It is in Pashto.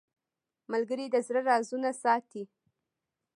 ملګری د زړه رازونه ساتي